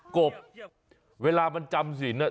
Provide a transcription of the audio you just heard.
กบเวลามันจำศีลน่ะ